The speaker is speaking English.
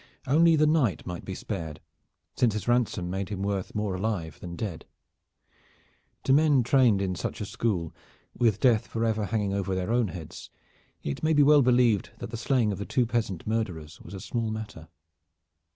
Only the knight might be spared, since his ransom made him worth more alive than dead. To men trained in such a school, with death forever hanging over their own heads, it may be well believed that the slaying of two peasant murderers was a small matter.